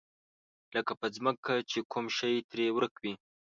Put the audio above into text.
لکه په ځمکه چې کوم شی ترې ورک وي.